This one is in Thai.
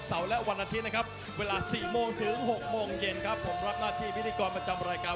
สวัสดีครับหน้าที่วิธีกรประจำรายการ